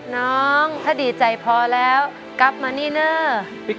น้องถ้าดีใจพอแล้วกลับมานี่เนอร์